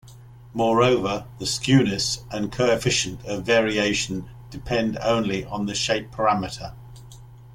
Moreover, the skewness and coefficient of variation depend only on the shape parameter.